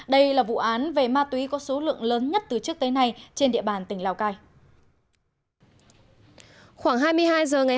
đây là vụ án về ma túy có số lượng lớn nhất từ trước tới nay trên địa bàn tỉnh lào cai